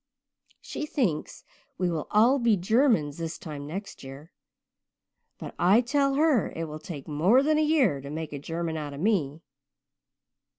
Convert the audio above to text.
She thinks we will all be Germans this time next year but I tell her it will take more than a year to make a German out of me.